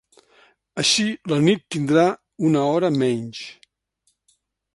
Així, la nit tindrà una hora menys.